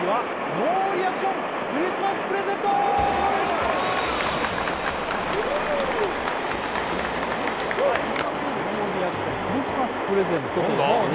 ノーリアクションクリスマスプレゼントというもうね